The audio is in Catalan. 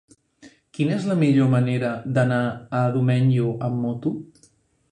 Quina és la millor manera d'anar a Domenyo amb moto?